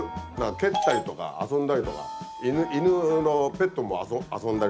蹴ったりとか遊んだりとか犬のペットも遊んだりとか。